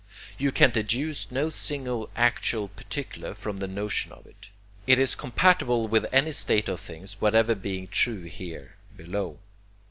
You can deduce no single actual particular from the notion of it. It is compatible with any state of things whatever being true here below.